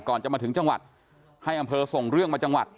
จะมาถึงจังหวัดให้อำเภอส่งเรื่องมาจังหวัด